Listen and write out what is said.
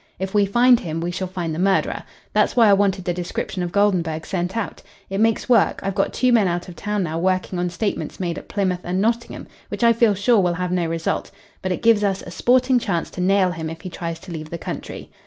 If we find him, we shall find the murderer. That's why I wanted the description of Goldenburg sent out. It makes work I've got two men out of town now working on statements made at Plymouth and Nottingham, which I feel sure will have no result, but it gives us a sporting chance to nail him if he tries to leave the country.